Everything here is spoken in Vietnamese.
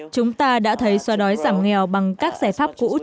chúng ta đã thấy xóa đói giảm nghèo bằng các giải pháp tăng cường đổi mới